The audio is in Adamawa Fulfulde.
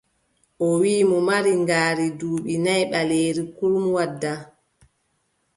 O wiʼi mo mari ngaari duuɓi nayi ɓaleeri kurum wadda.